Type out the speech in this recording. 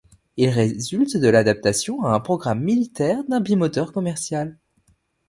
Il résulte de l'adaptation à un programme militaire d'un bimoteur commercial.